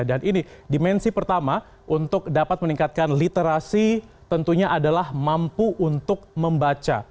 dan ini dimensi pertama untuk dapat meningkatkan literasi tentunya adalah mampu untuk membaca